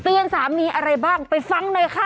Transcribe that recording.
สามีอะไรบ้างไปฟังหน่อยค่ะ